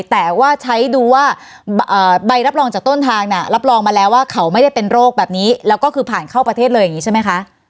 แต่ว่าใช้ดูว่าใบรับรองจากต้นทางน่ะรับรองมาแล้วว่าเขาไม่ได้เป็นโรคแบบนี้แล้วก็คือผ่านเข้าประเทศเลยอย่างนี้ใช่ไหมคะ